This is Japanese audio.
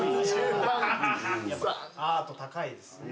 やっぱアート高いですね。